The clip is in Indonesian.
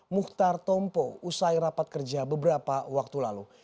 muhtar tompo usai rapat kerja beberapa waktu lalu